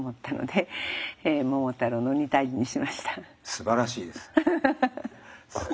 すばらしいです。